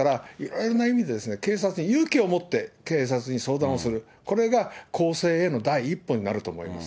ですから、いろいろな意味で、警察に勇気を持って、警察に相談をする、これが更生への第一歩になると思います。